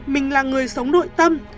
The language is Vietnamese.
mình là người sống nội tâm